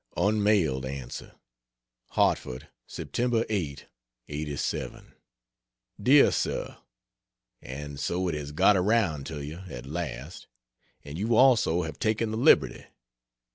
Unmailed Answer: HARTFORD, Sept. 8, '87. DEAR SIR, And so it has got around to you, at last; and you also have "taken the liberty."